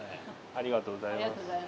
ありがとうございます。